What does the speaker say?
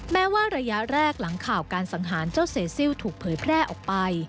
แม้ว่าระยะแรกหลังข่าวการสังหารเจ้าเซซิลถูกเผยแพร่ออกไป